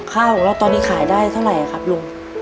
ข้าวของเราตอนนี้ขายได้เท่าไหร่ครับลุง